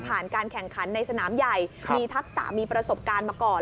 การแข่งขันในสนามใหญ่มีทักษะมีประสบการณ์มาก่อน